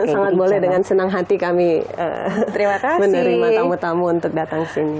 sangat boleh dengan senang hati kami menerima tamu tamu untuk datang sini